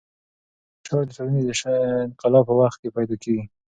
رزمي اشعار د ټولنیز انقلاب په وخت کې پیدا کېږي.